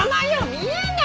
見えない！